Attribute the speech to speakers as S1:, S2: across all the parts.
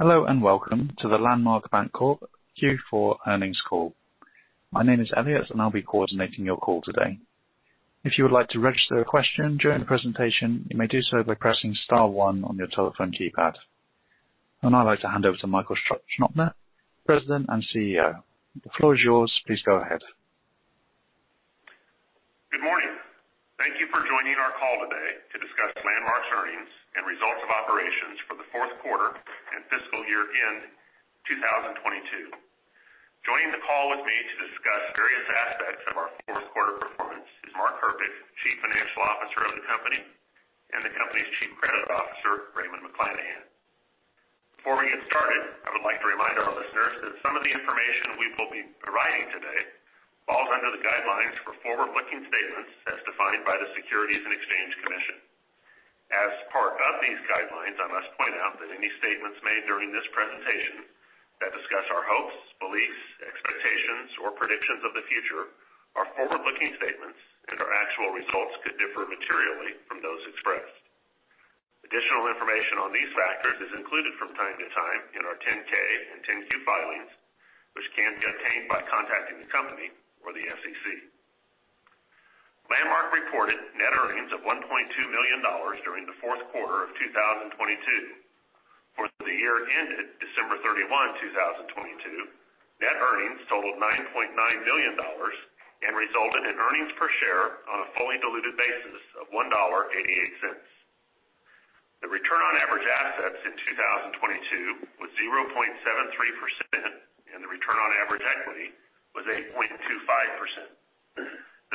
S1: Hello, welcome to the Landmark Bancorp Q4 earnings call. My name is Elliot, and I'll be coordinating your call today. If you would like to register a question during the presentation, you may do so by pressing star one on your telephone keypad. I'd like to hand over to Michael Scheopner, President and CEO. The floor is yours. Please go ahead.
S2: Good morning. Thank you for joining our call today to discuss Landmark's earnings and results of operations for the fourth quarter and fiscal year end 2022. Joining the call with me to discuss various aspects of our fourth quarter performance is Mark Herpich, Chief Financial Officer of the company, and the company's Chief Credit Officer, Raymond McLanahan. Before we get started, I would like to remind our listeners that some of the information we will be providing today falls under the guidelines for forward-looking statements as defined by the Securities and Exchange Commission. As part of these guidelines, I must point out that any statements made during this presentation that discuss our hopes, beliefs, expectations, or predictions of the future are forward-looking statements, and our actual results could differ materially from those expressed. Additional information on these factors is included from time to time in our 10-K and 10-Q filings, which can be obtained by contacting the company or the SEC. Landmark reported net earnings of $1.2 million during the fourth quarter of 2022. For the year ended December 31, 2022, net earnings totaled $9.9 million and resulted in earnings per share on a fully diluted basis of $1.88. The return on average assets in 2022 was 0.73%, and the return on average equity was 8.25%. The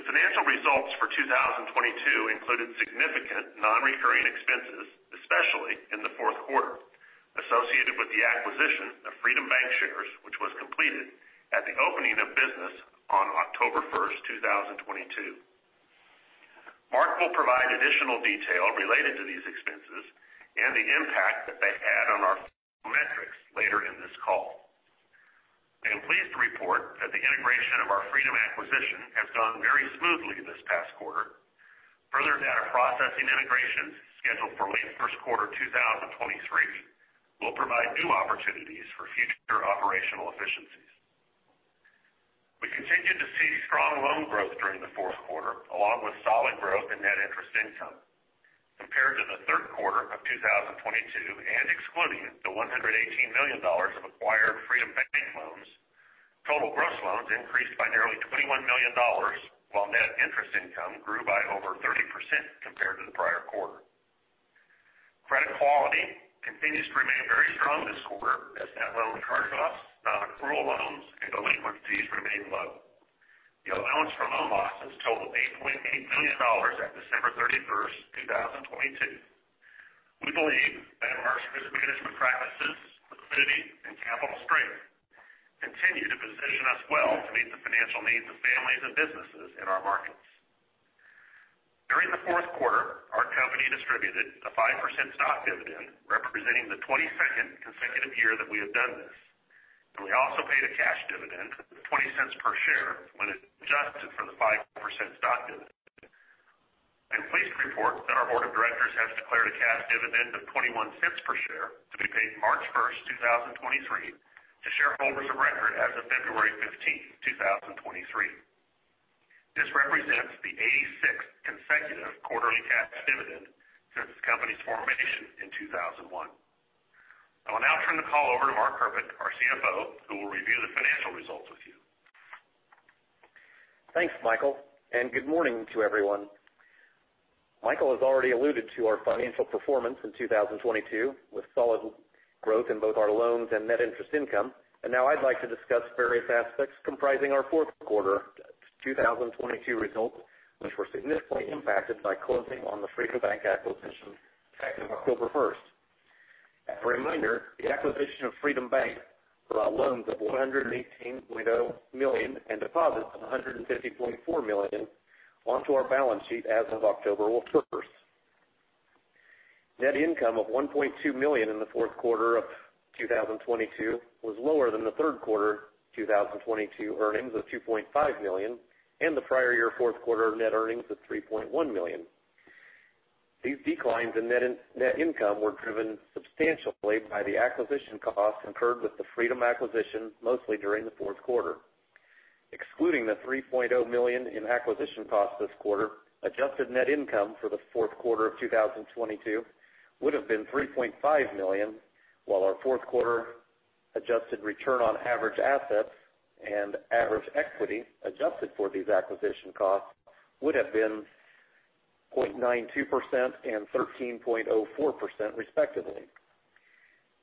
S2: financial results for 2022 included significant non-recurring expenses, especially in the fourth quarter, associated with the acquisition of Freedom Bank shares, which was completed at the opening of business on October 1st, 2022. Mark will provide additional detail related to these expenses and the impact that they had on our metrics later in this call. I am pleased to report that the integration of our Freedom acquisition has gone very smoothly this past quarter. Further data processing integration scheduled for late first quarter 2023 will provide new opportunities for future operational efficiencies. We continued to see strong loan growth during the fourth quarter, along with solid growth in net interest income. Compared to the third quarter of 2022 and excluding the $118 million of acquired Freedom Bank loans, total gross loans increased by nearly $21 million, while net interest income grew by over 30% compared to the prior quarter. Credit quality continues to remain very strong this quarter as net loan charge-offs, non-accrual loans and delinquencies remain low. The allowance for loan losses totaled $8.8 million at December 31st, 2022. We believe that our risk management practices, liquidity, and capital strength continue to position us well to meet the financial needs of families and businesses in our markets. During the fourth quarter, our company distributed a 5% stock dividend, representing the 22nd consecutive year that we have done this. We also paid a cash dividend of $0.20 per share when adjusted for the 5% stock dividend. I'm pleased to report that our board of directors has declared a cash dividend of $0.21 per share to be paid March 1st, 2023 to shareholders of record as of February 15th, 2023. This represents the 86th consecutive quarterly cash dividend since the company's formation in 2001. I will now turn the call over to Mark Herpich, our CFO, who will review the financial results with you.
S3: Thanks, Michael, good morning to everyone. Michael has already alluded to our financial performance in 2022, with solid growth in both our loans and net interest income. Now I'd like to discuss various aspects comprising our fourth quarter 2022 results, which were significantly impacted by closing on the Freedom Bank acquisition effective October 1st. As a reminder, the acquisition of Freedom Bank brought loans of $118 million and deposits of $150.4 million onto our balance sheet as of October 1st. Net income of $1.2 million in the fourth quarter of 2022 was lower than the third quarter 2022 earnings of $2.5 million and the prior year fourth quarter net earnings of $3.1 million. These declines in net income were driven substantially by the acquisition costs incurred with the Freedom acquisition, mostly during the fourth quarter. Excluding the $3 million in acquisition costs this quarter, adjusted net income for the fourth quarter of 2022 would have been $3.5 million, while our fourth quarter adjusted return on average assets and average equity adjusted for these acquisition costs would have been 0.92% and 13.4%, respectively.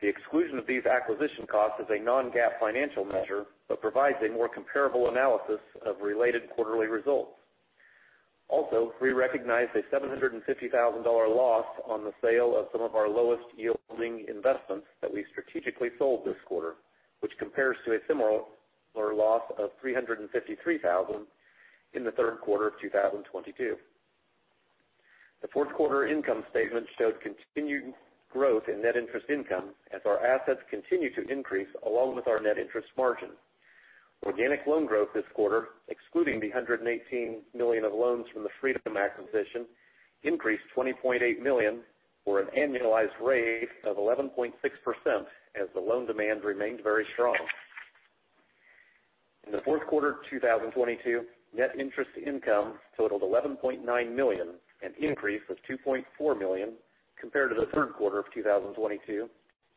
S3: The exclusion of these acquisition costs is a non-GAAP financial measure but provides a more comparable analysis of related quarterly results. Also, we recognized a $750,000 loss on the sale of some of our lowest-yielding investments that we strategically sold this quarter, which compares to a similar loss of $353,000 in the third quarter of 2022. The fourth quarter income statement showed continued growth in net interest income as our assets continued to increase along with our net interest margin. Organic loan growth this quarter, excluding the $118 million of loans from the Freedom acquisition, increased $20.8 million, or an annualized rate of 11.6%, as the loan demand remained very strong. In the fourth quarter of 2022, net interest income totaled $11.9 million, an increase of $2.4 million compared to the third quarter of 2022,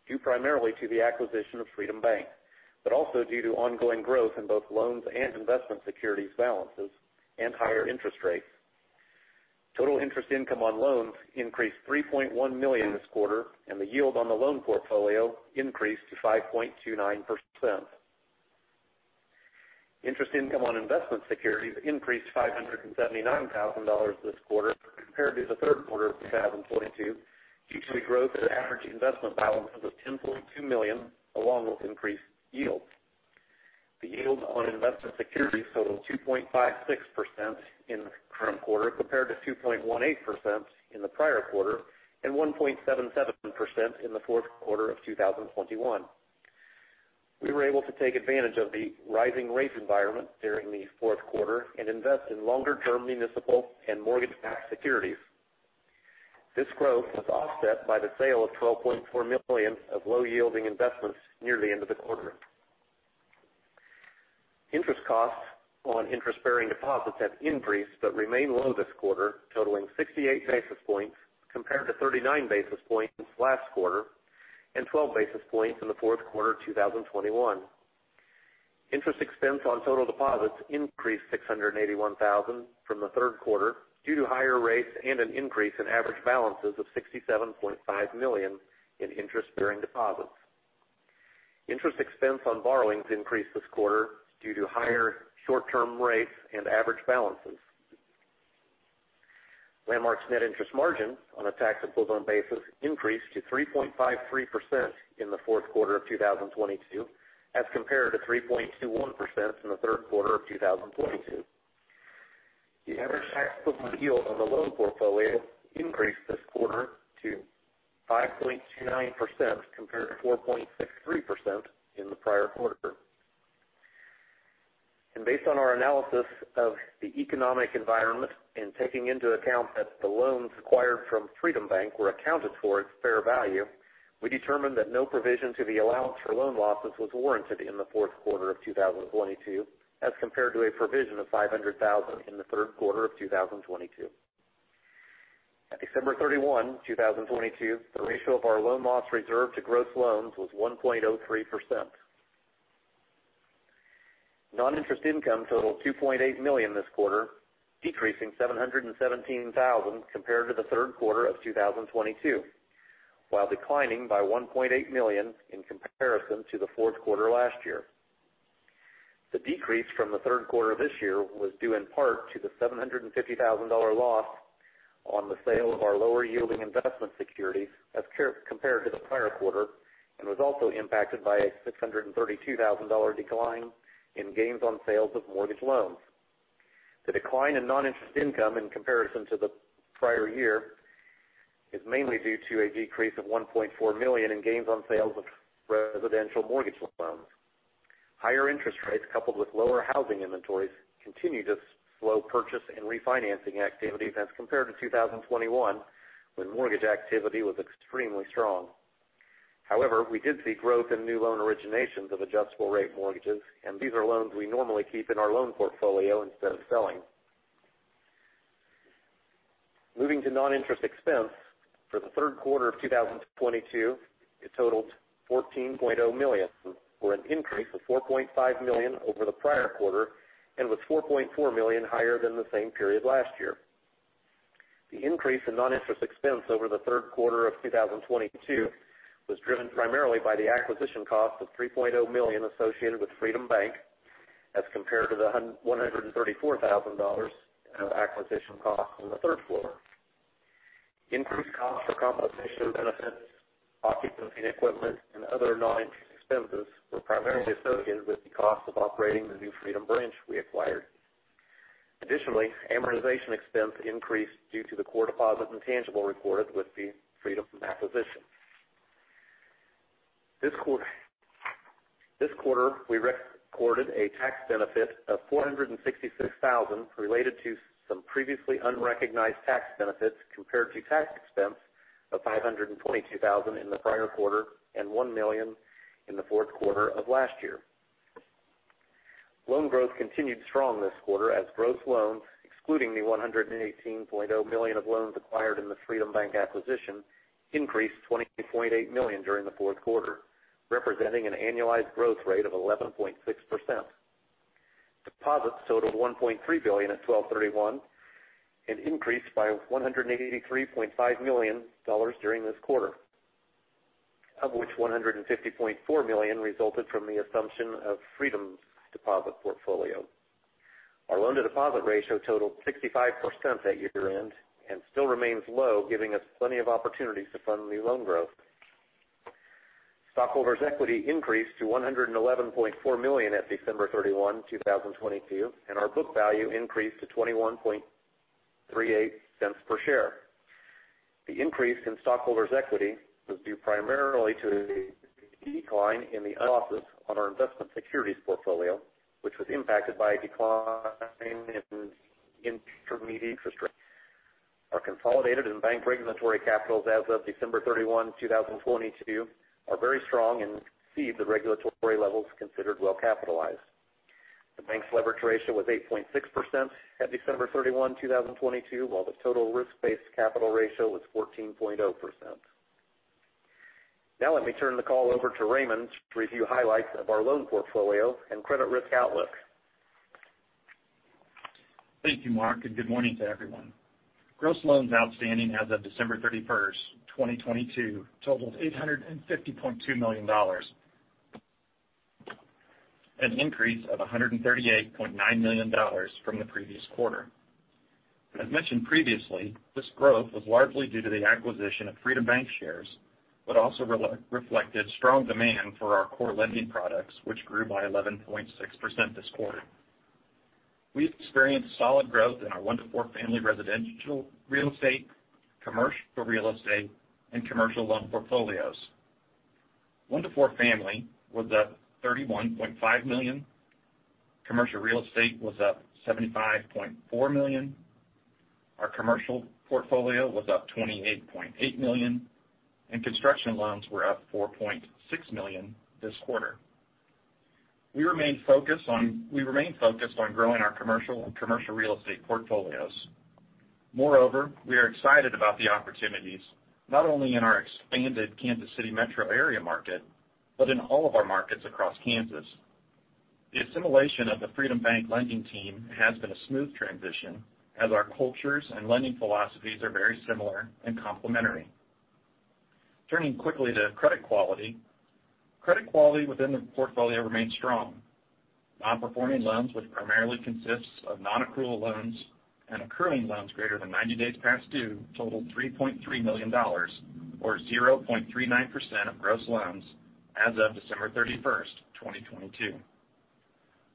S3: due primarily to the acquisition of Freedom Bank, but also due to ongoing growth in both loans and investment securities balances and higher interest rates. Total interest income on loans increased $3.1 million this quarter, and the yield on the loan portfolio increased to 5.29%. Interest income on investment securities increased $579,000 this quarter compared to the third quarter of 2022, due to growth in average investment balances of $10.2 million, along with increased yield. The yield on investment securities totaled 2.56% in the current quarter compared to 2.18% in the prior quarter and 1.77% in the fourth quarter of 2021. We were able to take advantage of the rising rate environment during the fourth quarter and invest in longer-term municipal and mortgage-backed securities. This growth was offset by the sale of $12.4 million of low-yielding investments near the end of the quarter. Interest costs on interest-bearing deposits have increased but remain low this quarter, totaling 68 basis points compared to 39 basis points last quarter and 12 basis points in the fourth quarter of 2021. Interest expense on total deposits increased $681,000 from the third quarter due to higher rates and an increase in average balances of $67.5 million in interest-bearing deposits. Interest expense on borrowings increased this quarter due to higher short-term rates and average balances. Landmark's net interest margin on a tax equivalent basis increased to 3.53% in the fourth quarter of 2022, as compared to 3.21% in the third quarter of 2022. The average tax equivalent yield on the loan portfolio increased this quarter to 5.29% compared to 4.63% in the prior quarter. Based on our analysis of the economic environment and taking into account that the loans acquired from Freedom Bank were accounted for at fair value, we determined that no provision to the allowance for loan losses was warranted in the fourth quarter of 2022, as compared to a provision of $500,000 in the third quarter of 2022. At December 31, 2022, the ratio of our loan loss reserve to gross loans was 1.03%. Non-interest income totaled $2.8 million this quarter, decreasing $717,000 compared to the third quarter of 2022, while declining by $1.8 million in comparison to the fourth quarter last year. The decrease from the third quarter of this year was due in part to the $750,000 loss on the sale of our lower-yielding investment securities as compared to the prior quarter, and was also impacted by a $632,000 decline in gains on sales of mortgage loans. The decline in non-interest income in comparison to the prior year is mainly due to a decrease of $1.4 million in gains on sales of residential mortgage loans. Higher interest rates coupled with lower housing inventories continue to slow purchase and refinancing activities as compared to 2021, when mortgage activity was extremely strong. We did see growth in new loan originations of adjustable-rate mortgages, and these are loans we normally keep in our loan portfolio instead of selling. Moving to non-interest expense, for the third quarter of 2022, it totaled $14.0 million, or an increase of $4.5 million over the prior quarter, and was $4.4 million higher than the same period last year. The increase in non-interest expense over the third quarter of 2022 was driven primarily by the acquisition cost of $3.0 million associated with Freedom Bank, as compared to $134,000 of acquisition costs in the third quarter. Increased costs for compensation and benefits, occupancy and equipment, and other non-interest expenses were primarily associated with the cost of operating the new Freedom branch we acquired. Additionally, amortization expense increased due to the core deposit intangible recorded with the Freedom acquisition. This quarter, we recorded a tax benefit of $466,000 related to some previously unrecognized tax benefits, compared to tax expense of $522,000 in the prior quarter and $1 million in the fourth quarter of last year. Loan growth continued strong this quarter as gross loans, excluding the $118.0 million of loans acquired in the Freedom Bank acquisition, increased $20.8 million during the fourth quarter, representing an annualized growth rate of 11.6%. Deposits totaled $1.3 billion at 12/31 and increased by $183.5 million during this quarter, of which $150.4 million resulted from the assumption of Freedom's deposit portfolio. Our loan-to-deposit ratio totaled 65% at year-end and still remains low, giving us plenty of opportunities to fund new loan growth. Stockholders' equity increased to $111.4 million at December 31, 2022. Our book value increased to $0.2138 per share. The increase in stockholders' equity was due primarily to a decline in the office on our investment securities portfolio, which was impacted by a decline in intermediate interest rates. Our consolidated and bank regulatory capitals as of December 31, 2022 are very strong and exceed the regulatory levels considered well capitalized. The bank's leverage ratio was 8.6% at December 31, 2022, while the total risk-based capital ratio was 14.0%. Now let me turn the call over to Raymond to review highlights of our loan portfolio and credit risk outlook.
S4: Thank you, Mark. Good morning to everyone. Gross loans outstanding as of December 31st, 2022 totaled $850.2 million. An increase of $138.9 million from the previous quarter. As mentioned previously, this growth was largely due to the acquisition of Freedom Bank shares, also reflected strong demand for our core lending products, which grew by 11.6% this quarter. We experienced solid growth in our one to four family residential real estate, commercial real estate and commercial loan portfolios. One to four family was up $31.5 million. Commercial real estate was up $75.4 million. Our commercial portfolio was up $28.8 million, construction loans were up $4.6 million this quarter. We remain focused on growing our commercial and commercial real estate portfolios. Moreover, we are excited about the opportunities not only in our expanded Kansas City metro area market, but in all of our markets across Kansas. The assimilation of the Freedom Bank lending team has been a smooth transition as our cultures and lending philosophies are very similar and complementary. Turning quickly to credit quality. Credit quality within the portfolio remains strong. Non-performing loans, which primarily consists of non-accrual loans and accruing loans greater than 90 days past due, totaled $3.3 million, or 0.39% of gross loans as of December 31st, 2022.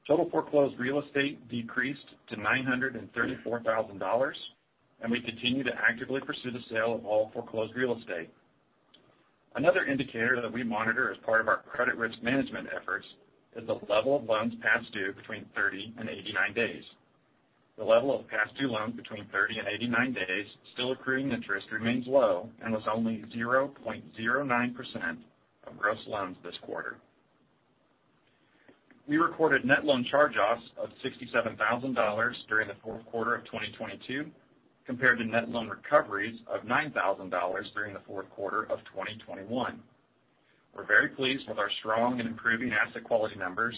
S4: Total foreclosed real estate decreased to $934,000, and we continue to actively pursue the sale of all foreclosed real estate. Another indicator that we monitor as part of our credit risk management efforts is the level of loans past due between 30 and 89 days. The level of past due loans between 30 and 89 days still accruing interest remains low and was only 0.09% of gross loans this quarter. We recorded net loan charge-offs of $67,000 during the fourth quarter of 2022, compared to net loan recoveries of $9,000 during the fourth quarter of 2021. We're very pleased with our strong and improving asset quality numbers,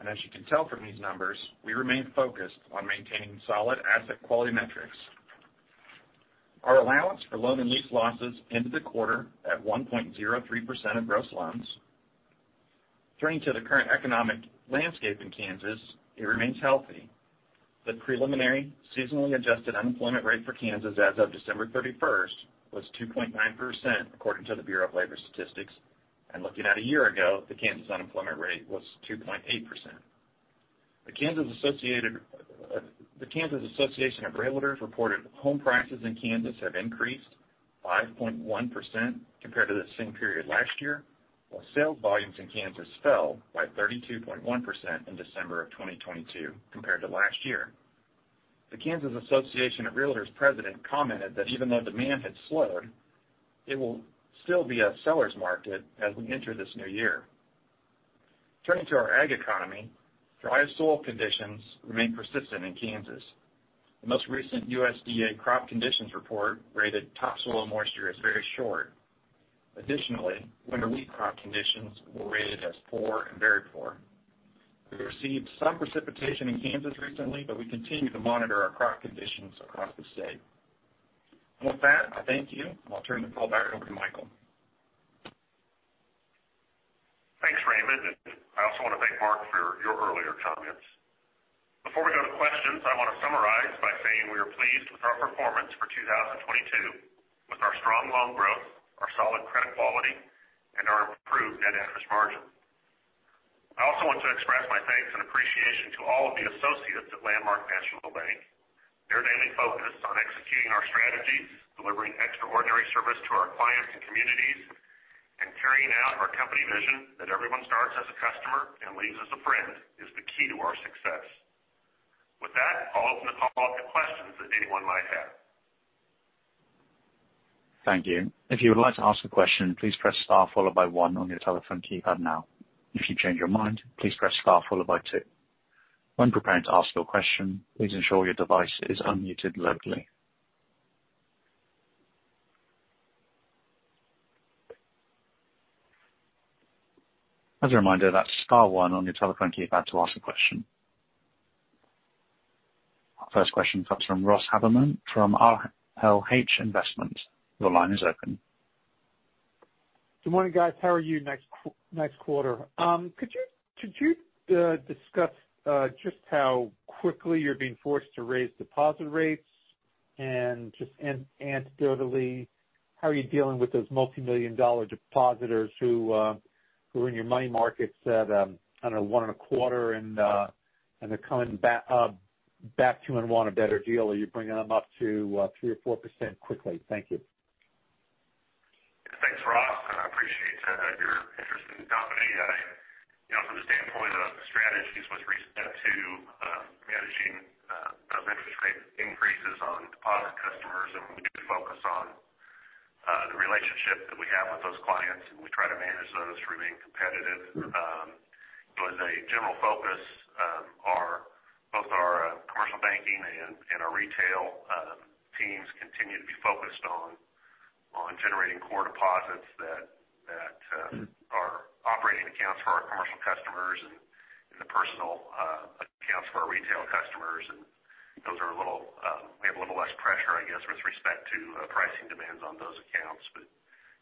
S4: and as you can tell from these numbers, we remain focused on maintaining solid asset quality metrics. Our allowance for loan and lease losses ended the quarter at 1.03% of gross loans. Turning to the current economic landscape in Kansas, it remains healthy. The preliminary seasonally adjusted unemployment rate for Kansas as of December 31st was 2.9%, according to the Bureau of Labor Statistics. Looking at a year ago, the Kansas unemployment rate was 2.8%. The Kansas Association of Realtors reported home prices in Kansas have increased 5.1% compared to the same period last year, while sales volumes in Kansas fell by 32.1% in December of 2022 compared to last year. The Kansas Association of Realtors president commented that even though demand had slowed, it will still be a seller's market as we enter this new year. Turning to our ag economy, dry soil conditions remain persistent in Kansas. The most recent USDA crop conditions report rated topsoil moisture as very short. Additionally, winter wheat crop conditions were rated as poor and very poor. We received some precipitation in Kansas recently, but we continue to monitor our crop conditions across the state. With that, I thank you, and I'll turn the call back over to Michael.
S2: Thanks, Raymond. I also want to thank Mark for your earlier comments. Before we go to questions, I want to summarize by saying we are pleased with our performance for 2022 with our strong loan growth, our solid credit quality, and our improved net interest margin. I also want to express my thanks and appreciation to all of the associates at Landmark National Bank. Their daily focus on executing our strategy, delivering extraordinary service to our clients and communities, and carrying out our company vision that everyone starts as a customer and leaves as a friend, is the key to our success. With that, I'll open the call up to questions that anyone might have.
S1: Thank you. If you would like to ask a question, please press star followed by one on your telephone keypad now. If you change your mind, please press star followed by two. When preparing to ask your question, please ensure your device is unmuted locally. As a reminder, that's star one on your telephone keypad to ask a question. Our first question comes from Ross Haberman from RLH Investments. Your line is open.
S5: Good morning, guys. How are you? Nice quarter. Could you discuss just how quickly you're being forced to raise deposit rates? Just anecdotally, how are you dealing with those multimillion-dollar depositors who are in your money markets at, I don't know, 1.25% and they're coming back 2% and want a better deal? Are you bringing them up to 3% or 4% quickly? Thank you.
S2: Thanks, Ross. I appreciate your interest in the company. I, you know, from the standpoint of strategies with respect to managing those interest rate increases on deposit customers, we do focus on the relationship that we have with those clients. We try to manage those to remain competitive. As a general focus, both our commercial banking and our retail teams continue to be focused on generating core deposits that.
S5: Mm-hmm
S2: -are operating accounts for our commercial customers and the personal, accounts for our retail customers. Those are a little, we have a little less pressure, I guess, with respect to, pricing demands on those accounts.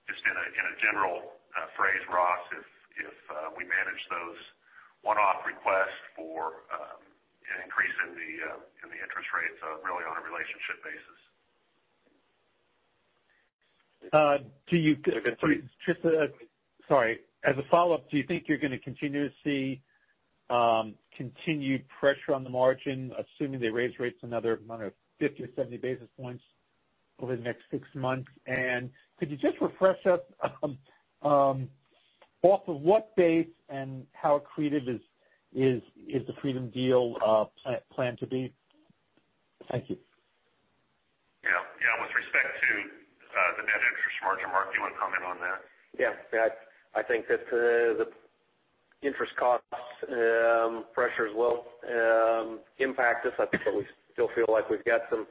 S2: Just in a, in a general, phrase, Ross, if, we manage those one-off requests for, an increase in the, in the interest rates, really on a relationship basis.
S5: Uh, do you-
S2: Go ahead, sorry.
S5: Sorry. As a follow-up, do you think you're gonna continue to see continued pressure on the margin, assuming they raise rates another, I don't know, 50 or 70 basis points over the next 6 months? Could you just refresh us off of what base and how accretive is the Freedom deal plan to be? Thank you.
S2: Yeah. Yeah. With respect to the net interest margin, Mark, do you want to comment on that?
S3: Yeah. Yeah. I think that the interest costs pressures will impact us. I think that we still feel like we've got some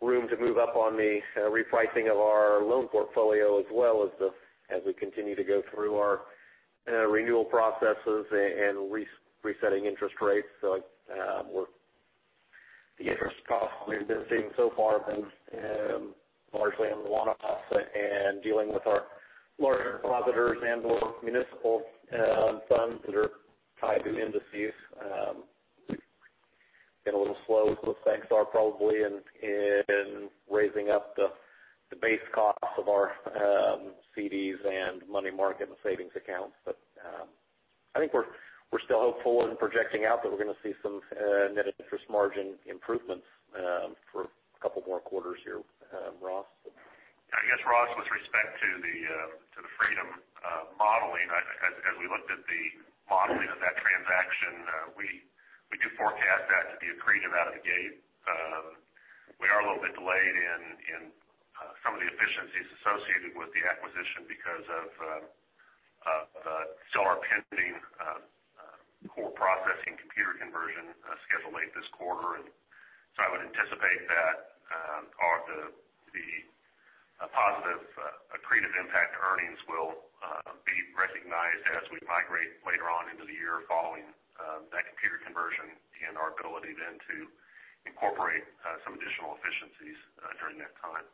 S3: room to move up on the repricing of our loan portfolio as well as we continue to go through our renewal processes and resetting interest rates. The interest costs we've been seeing so far have been largely on the one-offs and dealing with our larger depositors and/or municipal funds that are tied to indices, been a little slow as those banks are probably in raising up the base cost of our CDs and money market and savings accounts. I think we're still hopeful in projecting out that we're gonna see some net interest margin improvements for a couple more quarters here, Ross.
S2: I guess, Ross, with respect to the to the Freedom modeling, as we looked at the modeling of that transaction, we do forecast that to be accretive out of the gate. We are a little bit delayed in some of the efficiencies associated with the acquisition because of the still our pending core processing computer conversion scheduled late this quarter. I would anticipate that all of the positive accretive impact to earnings will be recognized as we migrate later on into the year following that computer conversion and our ability then to incorporate some additional efficiencies during that time.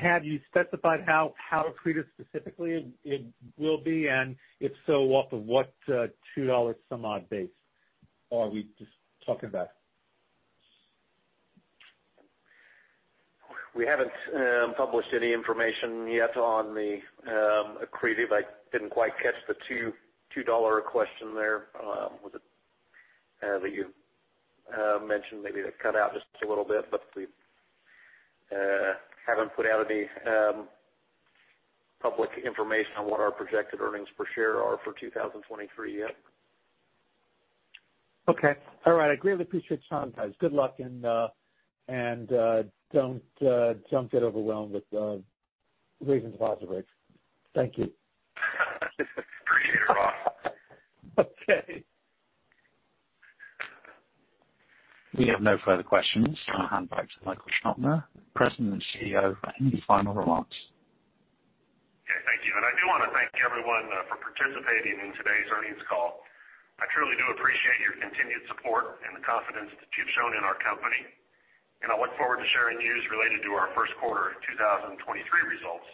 S5: Have you specified how accretive specifically it will be? If so, off of what, $2 some odd base are we just talking about?
S3: We haven't published any information yet on the accretive. I didn't quite catch the $2 question there. Was it that you mentioned? Maybe that cut out just a little bit. We haven't put out any public information on what our projected earnings per share are for 2023 yet.
S5: Okay. All right. I greatly appreciate your time, guys. Good luck and, don't get overwhelmed with, raising deposit rates. Thank you.
S2: Appreciate it, Ross.
S5: Okay.
S1: We have no further questions. I'll hand it back to Michael Scheopner, President and CEO, for any final remarks.
S2: Okay. Thank you. I do wanna thank everyone for participating in today's earnings call. I truly do appreciate your continued support and the confidence that you've shown in our company, and I look forward to sharing news related to our first quarter 2023 results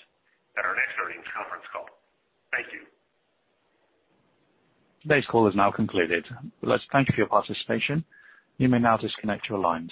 S2: at our next earnings conference call. Thank you.
S1: Today's call is now concluded. Let's thank you for your participation. You may now disconnect your lines.